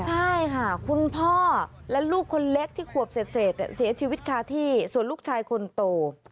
ใช่ค่ะคุณพ่อและลูกคนเล็กที่ขวบเศษเสียชีวิตคาที่ส่วนลูกชายคนโต